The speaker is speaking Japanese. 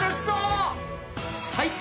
はい。